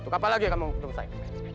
itu apa lagi yang kamu mau katakan say